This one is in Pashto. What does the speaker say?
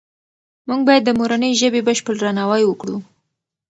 موږ باید د مورنۍ ژبې بشپړ درناوی وکړو.